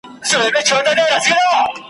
نن په څشي تودوې ساړه رګونه ,